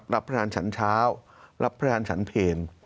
รับพระทานฉันเช้ารับพระทานฉันเพลง